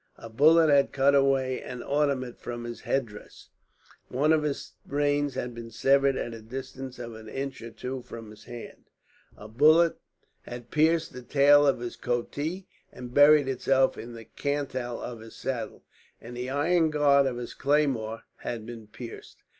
A bullet had cut away an ornament from his headdress, one of his reins had been severed at a distance of an inch or two from his hand, a bullet had pierced the tail of his coatee and buried itself in the cantle of his saddle, and the iron guard of his claymore had been pierced.